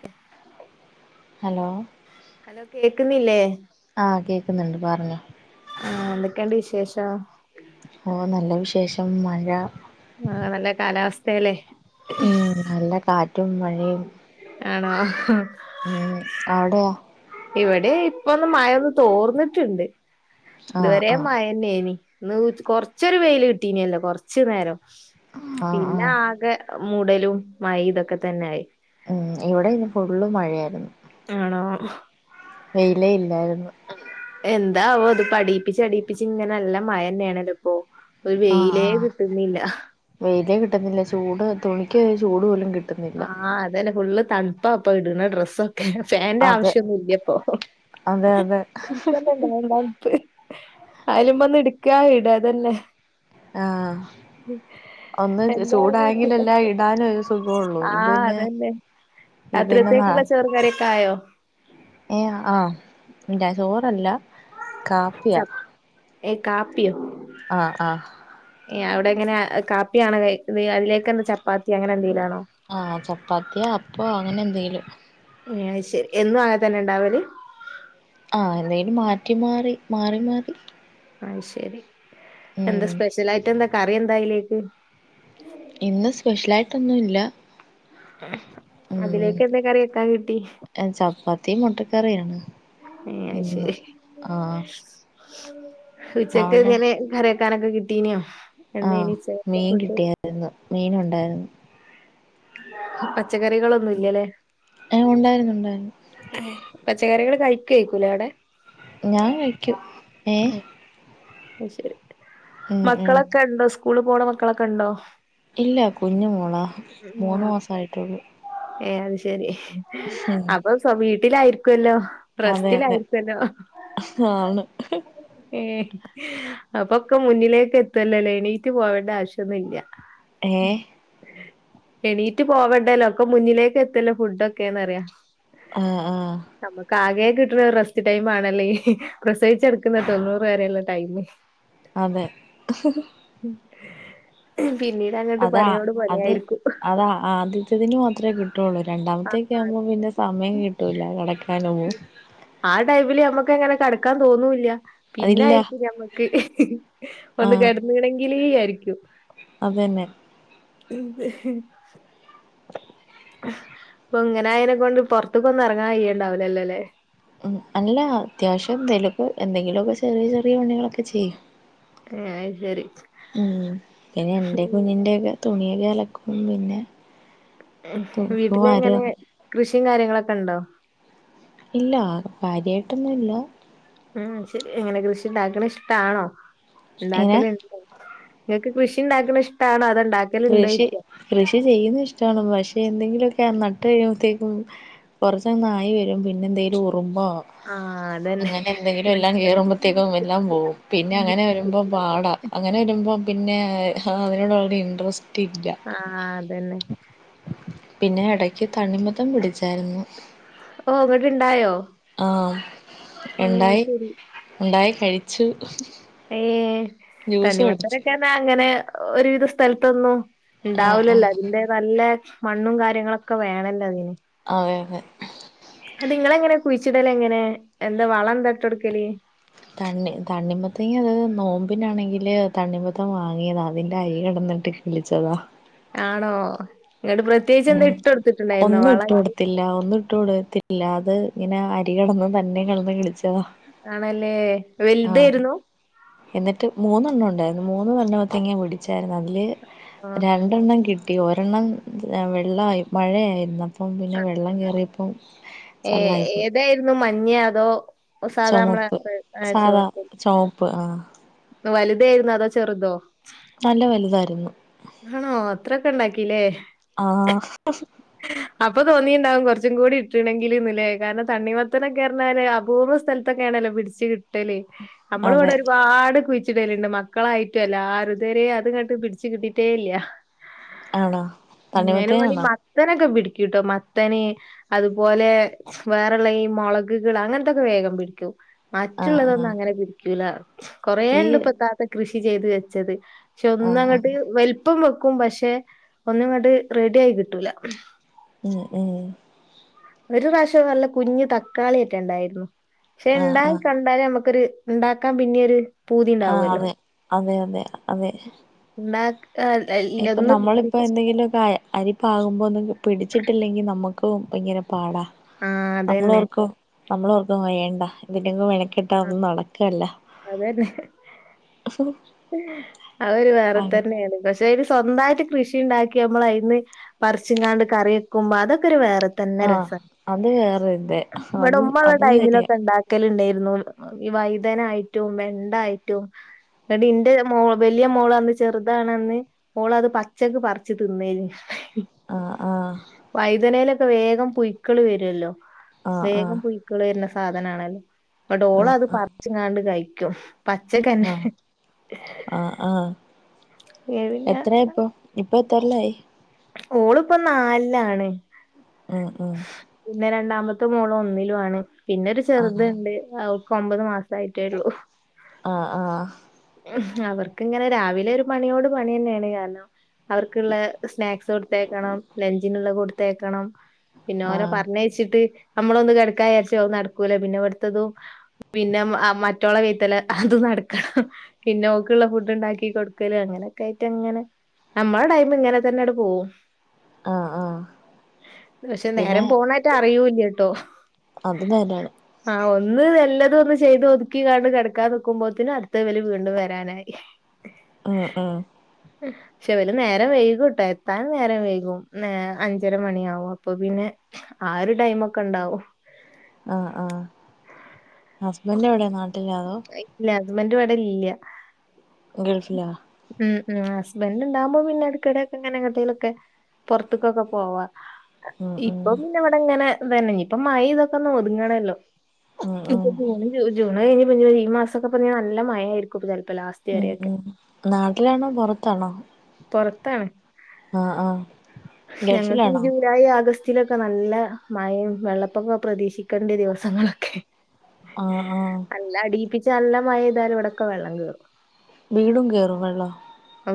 K [unintelligible] hello hello കേക്കുന്നില്ലേ ആ കേക്കുന്നുണ്ട് പറഞ്ഞോ ആ എന്തൊക്കെയുണ്ട് വിശേഷം ഓ നല്ല വിശേഷം മഴ ആണല്ലേ കാലാവസ്ഥേല്ലേ ഉം നല്ല കാറ്റും മഴയും ആണോ ഉം അവിടെയോ ഇവിടെ ഇപ്പൊന്ന് മഴൊന്ന് തോർന്ന്ട്ട്ണ്ട് ഇത് ആഹ് വരെ ആഹ് മഴ ന്നേനി ഇന്ന് ഉച്ച് കൊറച്ചൊരു വെയില് കിട്ടീനല്ലോ കൊർച് നേരം ആഹ് പിന്നെ ആഹ് ആകെ മൂടലും മഴെയും ഇതൊക്കെ തന്നെയ ആയി ഉം ഇവിടെ ഇന്ന് ഫുള്ള് മഴയായിരുന്നു ആണോ വെയിലെ ഇല്ലായിരുന്നു എന്താവോ ഇതിപ്പോ അടിപ്പിച്ച് അടിപ്പിച്ച് ഇങ്ങനെ നല്ല മയ തന്നെയാണ് ഇത് ഇപ്പോ ഒരു വെയിലേ കിട്ടുന്നില്ല വെയിലെ കിട്ടുന്നില്ല ചൂട് തുണിക്ക് ഒരു ചൂട് പോലും കിട്ട ആഹ് അതന്നെ ഫുള്ള് തണുപ്പാ അപ്പ ഇടണ ഡ്രസ്സും ഫാന്റെ അതെ ആവിശ്യൊന്നും ഇല്ല്യ ഇപ്പൊ അതെ അതെ [unintelligible] അയല്മന്ന്എടുക്ക ഇടതന്നെ ആഹ ഒന്ന് എന്തായാലും ചൂടായങ്കില് സുഖം എല്ലാ ഇടാനും സുഗു ഒള്ളൂ ഇത് ആഹ് തന്നെ അതന്നെ ഇത് തന്നെ മ രാത്രിത്തേക്കുള്ള ചോറും കറിയൊക്കെ ആയോ ഏ ആ ഇത് [unintelligible] ച്ച ഏ കാപ്പിയോ ആഹ ആഹ ഏ അവിടെ എങ്ങനെ കാപ്പിയാണ് അതിലേക്ക് എന്ത ചപ്പാത്തി അങ്ങനെ എന്തെങ്കലും ആണോ ആ ചപ്പാത്തിയ അപ്പോ അങ്ങനെ എന്തെങ്കിലും എന്നാ ശരി എന്നും അങ്ങനെ തന്നെ ഉണ്ടാവല് ആഹ എന്തേലും മാറ്റി മാറി മാറി മാറി ആഹ ശരി എന്താ ഉം സ്പെഷ്യലായിട്ട് എന്താ കറി എന്താ അയ്യിലേക്ക് ഇന്ന് സ്പെഷ്യലായിട്ട് ഒന്നും ഇല്ല ഉം അതിലേക്ക് എന്തേ കറി വെയ്യ്ക്കാൻ കിട്ടി ചപ്പാത്തിയും മൊട്ടക്കറിയാണ് ഏ ശരി ഉച്ചക്ക് എ അവിടെ ങ്ങനെ കറി ക്കാനൊക്കെ കിട്ടീനോ ആഹ എന്തേനി ഉച്ചക്കത്തെ മീൻ ഫുഡ് കിട്ടിയായിരുന്നു മീൻ ഉണ്ടായിരുന്നു പച്ചക്കറികളൊന്നും ഇല്ലല്ലേ ഏ ഉണ്ടായിരുന്നു ഉണ്ടായിരുന്നു പച്ചക്കറികള് കയ്യിക്കുവായിക്കൂലേ അവിടെ ഞാൻ കഴിക്കും എ ശരി ഉം ഉം മക്കളൊക്കെ എണ്ടോ സ്കൂളിൽ പോണ മക്കളൊക്കെ എണ്ടോ ഇല്ല കുഞ്ഞ മോളാ മൂന്ന് മാസയിട്ടുള്ളൂ ഏ അത് ശരി ഉം അപ്പൊ [unintelligible] വീട്ടിലായിരിക്കുവല്ലോ അതെ അതെ റെസ്റ്റിലായിരിക്കല്ലോ ആണ് ഏ അപ്പൊക്കെ മുന്നിലേക്ക് എത്തല്ലോ ല എണീറ്റ് പോകണ്ട ആവശ്യം ഒന്നും ഇല്ല ഉം ഏഹ് എണീറ്റ് പോവണ്ടല്ലോ ഒക്കെ മുന്നിലേക്ക് എത്തല്ലോ ഫുഡ്‌ ഒക്കെ എന്ന് പറയ ആഹ ആഹ നമ്മക്ക് ആകെ കിട്ടണ റെസ്റ്റ് ടൈം ആണല്ലേഎഈ പ്രസവിച്ചെടുക്കുന്ന തൊണ്ണൂറ് വരെ ഒള്ള ടൈമേ അതെ [unintelligible] പിന്നീട് അങ്ങോട്ട് അതാ പണിയോട് അത് പണിയായിരിക്കും അതാ അത് [unintelligible] ഇതിന് മാത്രേ കിട്ടൊള്ളൂ രണ്ടാമത്തേക്കേ ആകുമ്പോ ആ പിന്നെ സമയം കിട്ടൂല്ല നടക്കാനും പോകും ആ ടൈമില് ഞമ്മക്ക് അങ്ങനെ കടക്കാൻ തോന്നൂല്ല അതില്ല പിന്നായിരിക്കും ഞമ്മക്ക് ഒന്ന് കേ ആഹ് കെടന്ന്ണങ്കില് വിയാരിക്കും അതന്നെ എന്ത് ഇപ്പൊ ഇങ്ങനായനെക്കൊണ്ട് പൊർത്ത്ക്കൊന്നും എറങ്ങാൻ കയ്യ്ണ്ടാവ് ലല്ലോലേ ഉം അല്ലാ അത്യാവശ്യം വെലപ്പോ എന്തെങ്കിലുക്കെ ചെറിയ ചെറിയ പണികളൊക്കെ ചെയ്യും ഏഹ് അത് ശരി ഉം. പിന്നെ എന്റെ ഉം. കുഞ്ഞിന്റെ ഒക്കെ തുണിയൊക്കെ അലക്കും പിന്നെ തൂക്കും വീട്ടില് വാരും എങ്ങനെ അങ്ങനെ കൃഷിയും കാര്യങ്ങളൊക്കെണ്ടോ ഇല്ല കാര്യമായിട്ടൊന്നുല്ല ഉം ശരി എങ്ങനെ കൃഷിണ്ടാക്കണ ഇഷ്ടാണോ ഇങ്ങനെ ഉണ്ടാക്കല ഇ നിങ്ങൾക്ക് കൃഷിണ്ടാക്കണഇഷ്ടണോ അത് ഉണ്ടാക് കൃഷി കൃഷി ചെയ്യുന്ന ഇഷ്ടമാണ് പക്ഷെ എന്തെങ്കിലുമൊക്കെ നട്ട് കഴിയുമ്പോത്തേക്കും കുറച്ചങ്ങ ആയി വരും പിന്നെ എന്തെങ്കിലും ഉറുമ്പോ ആഹ് അതന്നെ അങ്ങനെ എന്തെങ്കിലും എല്ലാം കേറുമ്പോ [unintelligible] എല്ലാം പോകവും പിന്നെ അങ്ങനെ വരുമ്പോൾ പാട അങ്ങനെ വരുമ്പോൾ പിന്നെ അതിനോടു- സ്ട്രിക്റ്റ ആഹ് അതന്നെ. പിന്നെ ഇടക്ക് തണിമത്താൻ പിടിച്ചായിരുന്നു ഓ അങ്ങോട്ട് ഇണ്ടായോ? ആഹ ഏ ഉണ്ടായി ശരി ഉണ്ടായി കഴിച്ചു ഏ ജ്യൂസ് അടിച്ചു തണ്ണിമത്തരൊക്കെന്നാ അങ്ങനെ ഒരുവിധ സ്ഥലത്തന്നു ആഹ് ഉണ്ടാവൂലല്ലോ ആഹ് അതിന്റെ നല്ല മണ്ണും കാര്യങ്ങളൊക്കെ വേണല്ലോ അതിന് അതെ അതെ അത് നിങ്ങള എങ്ങനെ കുഴിച്ചിടല്ലേ എങ്ങനെ എന്താ വളം എന്താട്ടടുക്കലേ തണ്ണി തണ്ണിമത്തങ്ങ അത് നോമ്പിനാണെങ്കിൽ തണ്ണിമത്തം വാങ്ങിയതാണ് അതിൻ്റെ അരി കിടന്നിട്ട് വിളിച്ചത ആണോ ഇങ്ങോട്ട് പ്രത്യേകിച്ച് എന്താ ഇട്ട എടുത്തിട്ടുണ്ടായിരുന്നോ വള ല്ല ഒന്നും ഇട്ടോട് തില്ലാതെ ഇങ്ങനെ അരി കിടന്ന് തന്നെ കിടന്ന് കിളിച്ചതാ ആണല്ലേ ആഹ് വലുതായിരുന്നു? എന്നിട്ട് മൂന്നെണ്ണംണ്ടായിരുന്നു മൂന്ന് തണ്ണിമത്തങ് പിടിച്ചായിരുന്നു അതില് ആ രണ്ടെണ്ണം കിട്ടി ഒരെണ്ണം വെള്ളമായി മഴയായിരുന്നു. അപ്പം പിന്നെ വെള്ളം കയറിയപ്പം ഏ ചള്ളായിപ്പോയി [unintelligible] മഞ്ഞ അതോ സാധാ നമ്മളെ [unintelligible] അയച്ചു പ്പ വലുതായിരുന്നോ അതോ ചെറുതോ? നല്ല വലുതായിരുന്നു ആണോ അത്രക്കെ ഉണ്ടാക്കില്ലേ ആ അപ്പോ തോന്നിയിണ്ടാവും കൊറച്ചും കൂടി ഇട്ട്ണെങ്കില്ന്ന്ല്ലേ കാരണം തണ്ണിമത്തനൊക്കെ പറഞ്ഞാല് അപൂർവ സ്ഥല് ക്കെ ആണല്ലോ പിടിച്ച് കിട്ടല് നമ്മള അതെ ഇവിടെ ഒരുപാട് കുഴിച്ചിടലുണ്ട് മക്കളായിട്ട അല്ല ആരുതരെ അത്ങ്ങട്ട് പിടിച്ചു കിട്ടിട്ടേ ഇല്ല ആണോ ഉ അന് വേണ്ടി തണ്ണിമത്തനാണോ മത്തനൊക്കെ പിടിക്കൂട്ടോ മത്തനെ അതുപോലെ വേറെള്ള ഈ മൊളക് കള് അങ്ങനത്തൊക്കെ വേഗം പിടിക്കും. ആ ആ മറ്റുള്ളതൊന്നും അങ്ങനെ പിരിക്കൂല ഈ കൊറേണ്ട് ഇപ്പ കാക്ക കൃഷി ചെയ്ത് വെച്ചത്. പക്ഷെ ആ ആ ഒന്നങ്ങോട്ട് വലുപ്പം വെക്കും പക്ഷെ ഒന്നും ഇങ്ങോട്ട് റെഡി ആയി കിട്ടൂല ഉം ഉം ഒരു പ്രാവശം നല്ല കുഞ്ഞ് തക്കാളി ഒക്കെ ഉണ്ടായിരുന്നു പക്ഷെ ആ ആ ഇണ്ടാക്ക കണ്ടാലേ നമുക്കൊരു ഇണ്ടാക്കാം പിന്നെരു ആഹ അതെ അതെ അതെ അതെ മ ഇപ്പൊ നമ്മളിപ്പോ എന്തെങ്കിലും കായ അരിപ്പാകുമ്പോ ഒന്നും പിടിച്ചിട്ടില്ലെങ്കിൽ നമുക്ക് ഭങ്ങനെ പാടാ ആ അതന്നെ നമ്മളോർക്കും നമ്മളോർക്കും വയേണ്ട ഇതിലെലും വനക്കിട്ടാ ഒന്നും നടളക്കല്ല അതെ അതെ ആ ആ ഒരു വേറെ തന്നെയാണ് പ അതത് സ്വന്തമായിട്ട് കൃഷി ഉണ്ടാക്കി നമ്മൾ അതിന്ന് പറിച്ചും കാണ്ട് കറി വെക്കുമ്പോ അതൊക്കെ ഒരു വേറെ തന്നെ ആഹ് രസം അത് വേറൊരിത് ഇവിടെ അതും ഉമ്മ ഉള്ള അതും ശരിയാ ടൈമിലൊക്കെ ഉണ്ട വക്കൽ ഉണ്ടായിരുന്നു വൈതനായിട്ടും വെണ്ടായിട്ടും എന്നട്ട ഇന്റെ മോ വലിയ മോളന്ന് ചെറുതാണന്ന് മോളത് പച്ചക്ക് പറിച്ച് തിന്നേല് ആ ആഹ് വൈദനയിലൊക്കെ വേഗം പുയ്ക്കള് വരുല്ലോ ആഹ് വേഗം ആഹ് പുയ് ക്കള് വരുന്ന സാധനാണല്ലോ അപ്പ ആഹ് ഡോളത് ആഹ് പർച്ച്ങ്ങാണ്ട് കഴിക്കും പച്ചക്കന്നെ ആഹ് ആഹ് ആഹ് ഏ പിന്നെ എത്ര ഇപ്പ ഇപ്പൊ എത്രല്ലായി ഓള്പ്പൊ നാൽല്ലാണ് ഉം ഉം പിന്നെ രണ്ടാമത്തെ മോള് ഒന്നിലു ആണ് പിന്നെ ഒരു ആഹ് ചെറുത്ണ്ട് അവൾ ക്കൊമ്പത് മാസായിട്ടേള്ളൂ ആഹ് ആഹ് അവർക്കിങ്ങനെ രാവിലെ ഒരു മണിയോട് പണി തന്നെയാണ് കാരണം അവർക്ക്ള്ളെ സ്നാക്സ് കൊടുത്തേക്കണം ലഞ്ചിനുള്ള കൊടുത്തേക്കണം പിന്നെ ഓരെ ആഹ് പർഞ്ഞയച്ചിട്ട് നമ്മളൊന്ന് കെടക്കാചാരിച്ചാ അതും നടക്കൂല പിന്നെവട്ത്തതും പിന്നെ അ മറ്റോളെ വൈത്താലേ അത് നടക്കണം പിന്നെ ഓക്ക്ള്ള ഫുഡ്ണ്ടാക്കി കൊടുക്കല് അങ്ങനെയൊക്കെ ആയിട്ട് അങ്ങനെ നമ്മളെ ടൈമ് ഇങ്ങനെ തന്നെണ്ട് പോവും ആഹ് ആഹ് പക്ഷേ നേരം പിന്നെ പോണായിറ്റ് അറിയൂല്ലട്ടോ അത് നേരാണ് ആഹ് ഒന്ന് നല്ലത് ഒന്ന് ചെയ്ത് ഒതുക്കികാണ്ട് കെടക്കാൻ നിക്കുമ്പോത്തിന് അടുത്തത് വല് വീണ്ടും വരാനായി ഉം ഉം. ശെ വലും നേരം വൈകുംട്ടോ എത്താനും നേരം വൈകും ഏ അഞ്ചര മണിയാവും അപ്പൊ പിന്നെ ആ ഒരു ടൈമൊക്കെണ്ടാവും ആഹ് ആഹ് ഹസ്ബന്റ് എവിടെ നാട്ടിലാതോ ഇല്ല അസ്ബന്റ് വടെല്ല്യാ ഗൾഫിലാ ഉം ഉം ഹസ്ബന്റ്ണ്ടാവുമ്പോ പിന്നെ എട്ക്കിടക്കെങ്ങനെ എങ്ങണ്ടേലൊക്കെ പൊർത്ത്ക്കൊക്കെ പോവാ ഉം ഉം ഇപ്പൊ പിന്നെ ഇവടെങ്ങനെ ഇതന്നെ ഇഞ്ഞിപ്പോ മഴീതൊക്കെന്ന് ഒതുങ്ങണല്ലോ ഉ ഇപ്പ ജൂ ജൂണ് കഴിഞ്ഞ് ഈ മാസൊക്കെപഞ്ഞി നല്ല മയായ്രിക്കും ഇപൊ ചെൽപ്പോ ലാസ്റ്റ് ഉം വരെയൊക്കെ ഉം നാട്ടിലാണോ പൊറത്താണോ പുറത്താണ് ആഹ് ആഹ് ഗൾഫിലാണോ ലായി ആഗസ്റ്റിലൊക്കെ നല്ല മഴീ വെള്ളപ്പൊക്കം പ്രതീക്ഷിക്കേണ്ട ദിവസങ്ങളൊക്കെ ആഹ് ആഹ് നല്ല അടിയിപ്പിച്ച നല്ല മഴയ്താല് ഇവിടൊക്കെ വെള്ളം കേറും വീടും കയറും വെള്ളം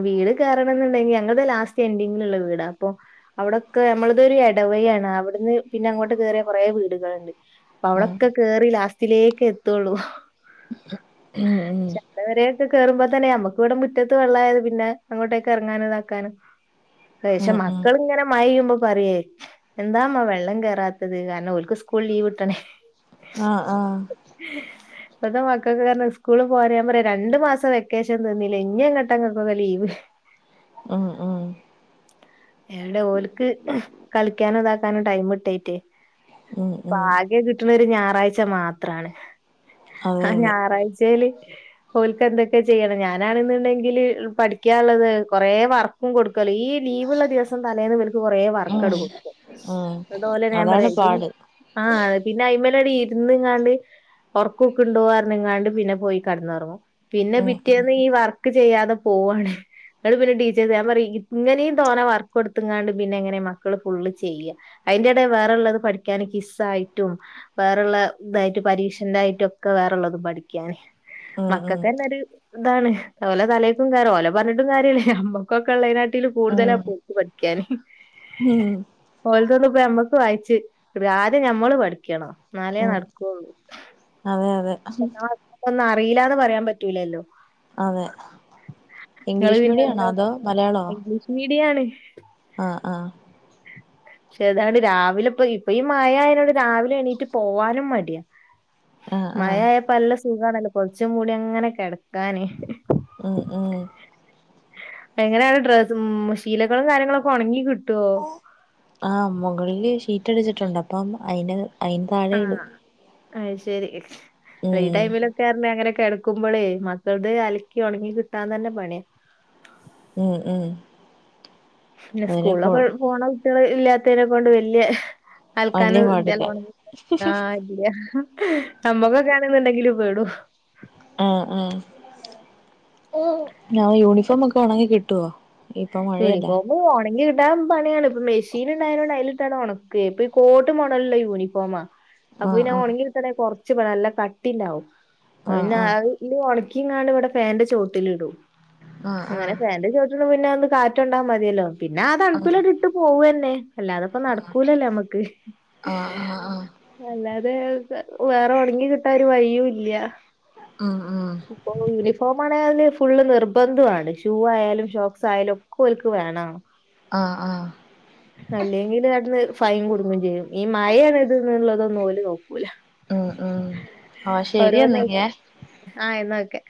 വീട് കയറണം എന്നുണ്ടെങ്കി ഞങ്ങളുടെ ലാസ്റ്റ് എൻഡിങ്ങില്ള്ള വീടാ അപ്പൊ അവിടൊക്കെ നമ്മളത് ഒരു ഇടവഴി ആണ് അവിടുന്ന് പിന്നെ അങ്ങോട്ട് കേറിയാ കുറെ വീടുകളുണ്ട് ഉം അവിടൊക്കെ കേറി ലാസ്റ്റിലേക്ക് എത്തുള്ളൂ ഉം ചന്തവരൊക്കെ കേറുമ്പൊ തന്നെ നമ്മുക്ക് ഇവിടെ മുറ്റത്ത് വെള്ളായ പിന്നെ അങ്ങോട്ടേൊക്കെ ഇറങ്ങാനും ഇതാക്കാനും പക്ഷെ ഉം ഉം ഉം മക്കള് ഇങ്ങനെ മഴ പെയ്യുമ്പൊ പറയേ എന്താമ്മ വെള്ളം കയറാത്തത് കാരണം ഓൽക്ക് സ്കൂൾ ലീവ് കിട്ടണേ ആഹ് ആഹ് ഇപ്പത്തെ മക്കൾക്ക് കാരണം സ്കൂള് പോ പറയാ രണ്ട് മാസം വെക്കേഷൻ തന്നീലെ ഇനി എങ്ങട്ട ഇപ്പൊക്കെ ലീവ് ഉം ഉം എവിടെ ഓൽക്ക് കളിക്കാനോ ഇതാക്കാനോ ടൈം ഇട്ടായിറ്റേ ഉം ഇപ്പം ഉം ആകെ കിട്ടുന്ന ഒരു ഞായറാഴ്ച മാത്രാണ് അതെ ആ അതെ ഞായറാഴ്ചയ്ൽ ഓൽക്ക എന്തൊക്കെ ചെയ്യണം ഞാനാണെന്നുണ്ടെങ്കില് പഠിക്കാനുള്ളത് കൊറെ വർക്കും കൊടുക്കല്ലോ ഈ ലീവ്ള്ള ദിവസം തലേന്ന് ഇവൽക്ക് കൊറേ വർക്ക് അട്ട് കൊടുക്കും ആഹ് അതുപോലെ ഞാൻ പറയാ ഇ ആഹ് പിന്നെ അയിമലട് ഇരുന്ന് ഇങ്ങാണ്ട് ഒർക്കൂക്ക്ണ്ടോ അർഞ്ഞിങ്ങാണ്ട് പിന്നെ പോയി കടന്ന് ഒറങ്ങും പിന്നെ ഉം ഉം പിറ്റേന്ന് ഈ വർക്ക് ചെയ്യാതെ പോവാണ് ങ്ങട്ട് പിന്നെ ടീച്ചേഴസ് ഞാൻ പറ ഇങ്ങനെയും തോനെ വർക്ക് കൊടുത്താണ്ട് പിന്നെ എങ്ങനെ മക്കള് ഫുള്ള് ചെയ്യാ അതിന്റെട വേറെള്ളത് പഠിക്കാന് കിസ്സായിട്ടും വേറള്ള ഇതായിട്ട് പരീക്ഷന്റൊയിട്ടൊക്കെ വേറള്ളതും പഠിക്കാന് ഉം മക്കൾക്ക് ഉം തന്നെ ഒരു ഇതാണ് ഓലെ തല ഓലെ പറഞ്ഞിട്ടും കാര്യല്ലേ അമ്മക്കൊക്കെ ഉള്ളൈനാട്ടിലും കൂടുതലാ ഉം ഇപ്പോ ഓൽക്ക് പഠിക്കാന് ഉം ഓലതോന്നും ഇപ്പം നമ്മക്ക് വായിച്ച് ഒരു ആദ്യം ഞമ്മള് പഠിക്കണം എന്നാലേ ഉം നടക്കുള്ളൂ [unintelligible] നമുക്കൊന്നും അറീല്ലാന്ന് പറയാൻ പറ്റൂലല്ലോ അതെ ഇംഗ്ലീഷ് മീഡിയം ആണോ അതോ മലയാളോ മീഡിയാണ് ആഹ് ആഹ് പക്ഷെ ഇതാണ് രാവിലെ ഇപ്പ ഇപ്പൊ ഈ മഴായയ്നോട് രാവിലെ എണീറ്റ് പോവാനും മടിയാ ആഹ് മഴ ആഹ് ആയപ്പോ നല്ല സുഖാണല്ലോ പൊതച്ചും മൂടി അങ്ങനെ കിടക്കാന് ഉം ഉം എങ്ങനെയാണ് ഡ്ര ളം ശീലകളും കാര്യങ്ങളും ഒക്കെ ഉണങ്ങി കിട്ടുവോ ആഹ് മുകളില് ഷീറ്റ്ടിച്ചിട്ടുണ്ട് അപ്പം അയിന് അയിന് താഴെ ആഹ് ഇടും അയ്ശരി ഈ ഉം ടൈമില പർഞ്ഞ അങ്ങനെ കെടക്ക്മ്പൊളെ മക്കളത് അലക്കി ഉണങ്ങി കിട്ടാന്ന് തന്നെ പണിയാ ഉംഉം പിന്നെ സ്കൂളൊക്കെ പോണ കുട്ടികൾ ഇല്ലാത്തയ്നെക്കൊണ്ട് വല്ല്യ വല്യ അൽക്കാന് പാടില്ല [inaudible] ആ നമ്മൊക്കൊക്കെ ആണ്ന്നുണ്ടെങ്കിൽ പെടും ആഹ് അഹ് ഞാ യൂണിഫോമ ഒക്കെ ഒണങ്ങി കിട്ടുവോ ഇപ്പൊ ക്ക് മഴയല്ലേ യൂനിഫോം ഇ ഒണങ്ങി കിട്ടാൻ പണിയാണ് ഇപ്പൊ മെഷീൻ ഉണ്ടായനോണ്ട് അയിലിട്ടാണ്ട് ഉണക്കേ ഇപ്പൊ ഈ കോട്ട് മോഡലുള്ള യൂണിഫോം ഫോമാ അപ്പം ആഹ് പിന്നെ ആഹ് ഒണങ്ങി കിട്ടണങ്കിൽ കുറച്ച് പണി നല്ല കട്ടിണ്ടാവും പിന്നെ ആഹ് ഇല് ഉണക്കിങ്ങാണ്ട് ഇവിടെ ഫേന്റെ ചോട്ടിലിടും ആഹ് അങ്ങനെ ആഹ് ഫേന്റെ ചോട്ടിൽന്ന് പിന്നെ കാറ്റുണ്ടാൻ മതിയല്ലോ പിന്നെ ആ ആഹ് തണുപ്പിലാട്ട് ഇട്ട് പോവന്നെ അല്ല അതപ്പ നടക്കൂലല്ലേ നമ്മക്ക് ആഹ് ആഹ് ആഹ് ആഹ് അല്ലാതെ വേറെ ഉണങ്ങി കിട്ട ഒരു വഴിയും ഇല്ല ആഹ് ആഹ് ഇപ്പോ യൂണിഫോം ആണല് ഫുള്ള് നിർബന്ധമാണ് ഷൂ ആയാലും ഷോക്സ് ആയാലും കോലക്ക് വേണം ആഹ് ആഹ് അല്ലെങ്കിൽ അട്ടന്ന് ഫൈം കൊടുങ്ങയും ചെയ്യും ഈ മഴാണ് ഇത്ള്ളതൊന്നും ഓല നോക്കൂല ഉം ഉം ആഹ് ശരിയന്നങ്ക ആഹ് എന്നൊക്കെ